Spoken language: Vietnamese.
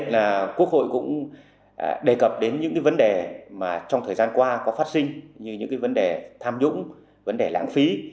nhiều thời gian qua có phát sinh như những cái vấn đề tham nhũng vấn đề lãng phí